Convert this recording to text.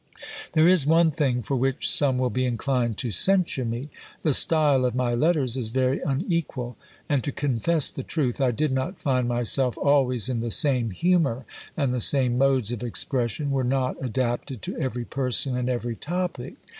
There is one thing for which some will be inclined to censure me; the style of my letters is very unequal; and, to confess the truth, I did not find myself always in the same humour, and the same modes of expression were not adapted to every person and every topic.